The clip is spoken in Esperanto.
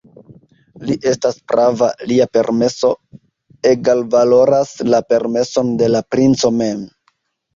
Li estas prava; lia permeso egalvaloras la permeson de la princo mem.